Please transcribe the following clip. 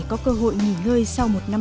có cơ hội nghỉ ngơi sau một ngày